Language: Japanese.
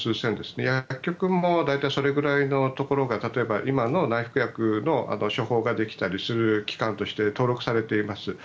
薬局も大体それぐらいのところが今の内服薬の処方ができたりする機関として登録されています。